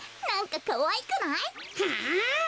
なんかかわいくない？はあ？